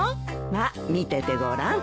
まあ見ててごらん。